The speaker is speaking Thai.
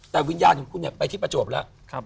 แต่วิญญาณของคุณไปที่ประจวบแล้ว